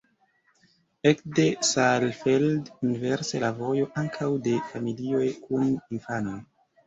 Ekde Saalfeld inverse la vojo ankaŭ de familioj kun infanoj.